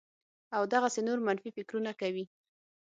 او دغسې نور منفي فکرونه کوي